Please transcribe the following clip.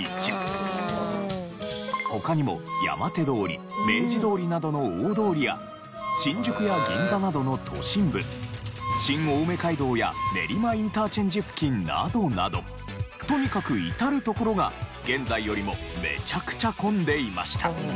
他にも山手通り明治通りなどの大通りや新宿や銀座などの都心部新青梅街道や練馬インターチェンジ付近などなどとにかく至る所が現在よりもめちゃくちゃ混んでいました。